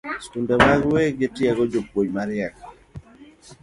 Sikunde mag wegi ndiko jopuonj mariek